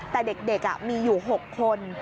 แต่เด็กมีอยู่๖คน